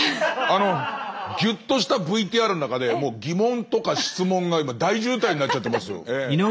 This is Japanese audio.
あのギュッとしたＶＴＲの中で疑問とか質問が大渋滞になっちゃってますよ。